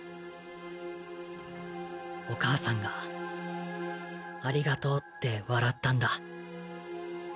お母さんがありがとうって笑ったんだ。